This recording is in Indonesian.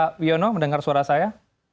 pak wiono mendengar suara saya